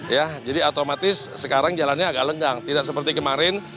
ya jadi otomatis sekarang jalannya agak lenggang tidak seperti kemarin